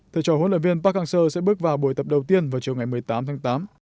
thầy trò huấn luyện viên park hang seo sẽ bước vào buổi tập đầu tiên vào chiều ngày một mươi tám tháng tám